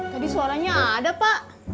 tadi suaranya ada pak